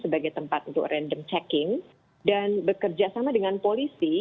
sebagai tempat untuk random checking dan bekerjasama dengan polisi